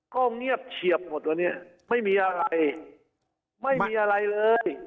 ก็เงียบเฉียบหมดวันนี้ไม่มีอะไรไม่มีอะไรเลย